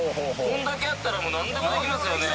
こんだけあったら何でもできますよね。